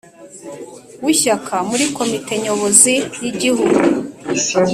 w Ishyaka Muri Komite Nyobozi y Igihugu